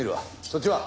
そっちは？